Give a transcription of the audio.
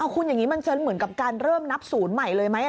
คุณอย่างนี้มันจะเหมือนกับการเริ่มนับศูนย์ใหม่เลยไหม